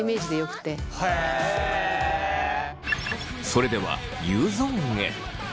それではＵゾーンへ。